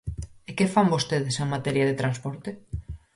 ¿E que fan vostedes en materia de transporte?